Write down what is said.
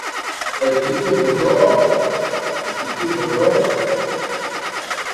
Ɛ che thé bɔdɔ́ɔ́ɔ́.